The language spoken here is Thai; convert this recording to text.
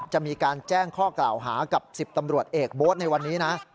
จะมีการแจ้งข้อกล่าวหากับ๑๐ตำรวจเอกโบ๊ทในวันนี้นะ